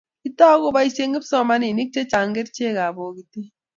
kiitou koboisie kipsomaninik che chang' kerchekab bokite